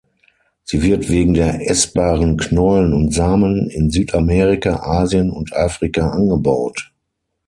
Sie wird wegen der essbaren Knollen und Samen in Südamerika, Asien und Afrika angebaut.